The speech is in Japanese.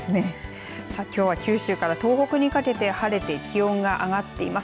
きょうは九州から東北にかけて晴れて気温が上がっています。